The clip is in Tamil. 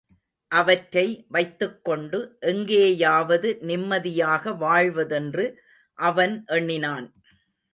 அவற்றை வைத்துக்கொண்டு எங்கேயாவது நிம்மதியாக வாழ்வதென்று அவன் எண்ணினான்.